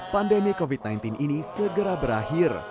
pandemi covid sembilan belas ini segera berakhir